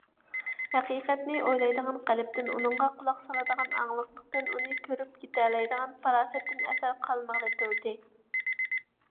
ھەقىقەتنى ئويلايدىغان قەلبتىن، ئۇنىڭغا قۇلاق سالىدىغان ئاڭلىقلىقتىن، ئۇنى كۆرۈپ يېتەلەيدىغان پاراسەتتىن ئەسەر قالمىغىلى تۇردى.